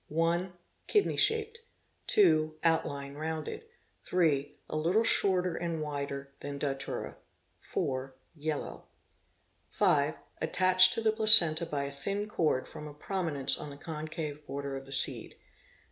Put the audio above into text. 1. Kidney shaped. 2. Outline rounded. 3. A little shorter and wider than the Datura. 4. Yellow. 5. Attached to the placenta by ' a thin cord from a prominence on the concave border of the seed.